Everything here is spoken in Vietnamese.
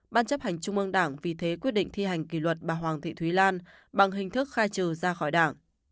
ban chấp hành trung ương đảng vì thế quyết định thi hành kỷ luật bà hoàng thị thúy lan bằng hình thức khai trừ ra khỏi đảng